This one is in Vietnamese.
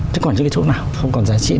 chứ còn cái chỗ nào không còn giá trị